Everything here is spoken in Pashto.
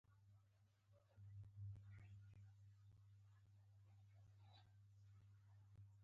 نورو به پرې ټوکې کولې.